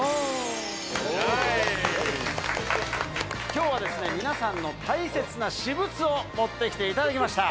きょうは、皆さんの大切な私物を持ってきていただきました。